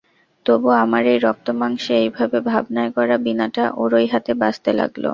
তবু আমার এই রক্ত-মাংসে এই ভাবে-ভাবনায় গড়া বীণাটা ওঁরই হাতে বাজতে লাগল।